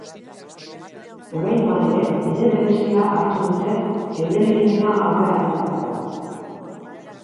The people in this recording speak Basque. Oraingoan ere bide berezia hartu dute euren ekimena aurrera ateratzeko.